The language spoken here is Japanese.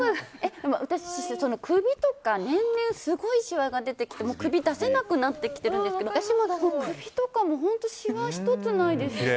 私、首とか年々すごいしわが出てきて首、出せなくなってきてるんですけど首とかも本当しわひとつないですよね。